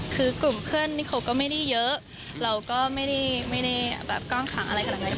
คือกลุ่มเพื่อนนี่เขาก็ไม่ได้เยอะเราก็ไม่ได้แบบกว้างขังอะไรขนาดนั้น